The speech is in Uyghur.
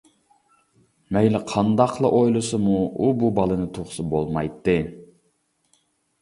مەيلى قانداقلا ئويلىسىمۇ، ئۇ بۇ بالىنى تۇغسا بولمايتتى.